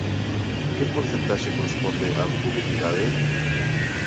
Que porcentaxe corresponde á publicidade?